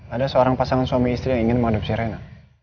ada seorang pasangan suami istri yang ingin mengadopsi rena